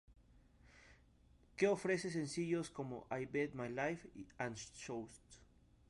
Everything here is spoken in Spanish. Que ofrece sencillos como "I Bet My Life" y "Shots".